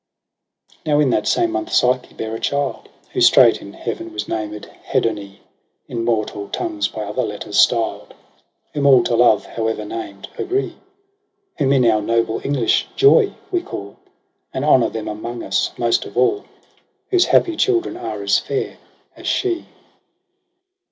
%% Now in that same month Psyche bare a child, Who straight in heaven was named Hedone In mortal tongues by other letters styled ; Whom all to love, however named, agree :• Whom in our noble English JOY we call. And honour them among us most of aU, Whose happy children are as fair as she.